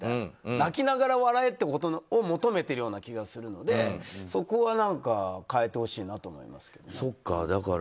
泣きながら笑えっていうことを求めてる気がするのでそこは、変えてほしいなと思いますけどね。